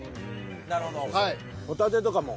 なるほど。